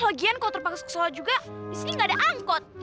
lagian kalau terpaksa ke sekolah juga disini tidak ada angkot